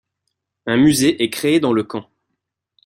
Un musée est créé dans le camp.